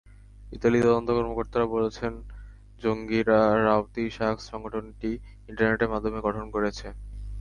ইতালির তদন্ত কর্মকর্তারা বলেছেন, জঙ্গিরা রাওতি শাক্স সংগঠনটি ইন্টারনেটের মাধ্যমে গঠন করেছে।